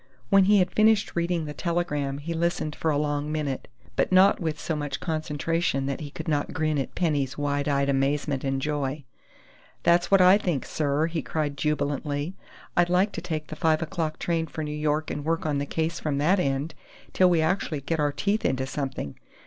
When he had finished reading the telegram, he listened for a long minute, but not with so much concentration that he could not grin at Penny's wide eyed amazement and joy. "That's what I think, sir!" he cried jubilantly. "I'd like to take the five o'clock train for New York and work on the case from that end till we actually get our teeth into something....